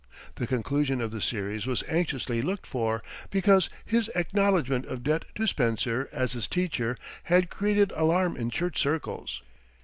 The conclusion of the series was anxiously looked for, because his acknowledgment of debt to Spencer as his teacher had created alarm in church circles.